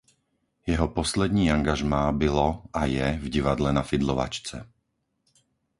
Jeho poslední angažmá bylo a je v Divadle Na Fidlovačce.